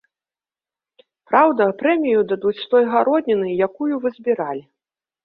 Праўда, прэмію дадуць з той гародніны, якую вы збіралі.